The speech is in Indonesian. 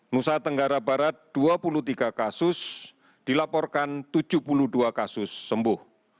nusa tenggara barat dua puluh tiga kasus dilaporkan tujuh puluh dua kasus sembuh